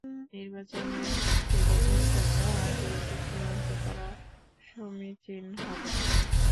নির্বাচনের দুই থেকে তিন সপ্তাহ আগে এটি চূড়ান্ত করা সমীচীন হবে না।